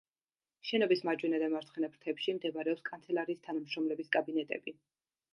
შენობის მარჯვენა და მარცხენა ფრთებში მდებარეობს კანცელარიის თანამშრომლების კაბინეტები.